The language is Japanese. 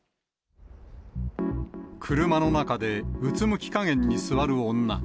車の中でうつむきかげんに座る女。